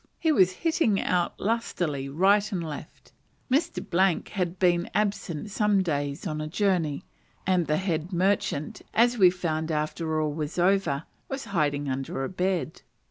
He was "hitting out" lustily right and left. Mr. had been absent some days on a journey, and the head merchant, as we found after all was over, was hiding under a bed.